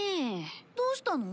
どうしたの？